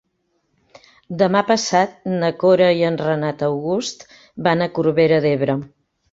Demà passat na Cora i en Renat August van a Corbera d'Ebre.